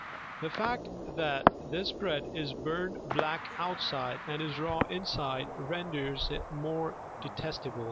The fact that this bread is burned black outside and is raw inside renders it more detestable.